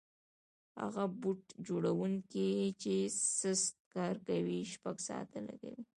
هغه بوټ جوړونکی چې سست کار کوي شپږ ساعته لګوي.